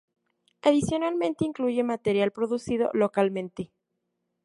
Adicionalmente incluye material producido localmente.